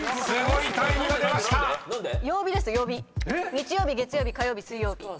日曜日月曜日火曜日水曜日。